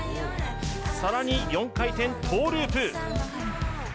更に、４回転トゥループ。